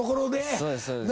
そうですそうです。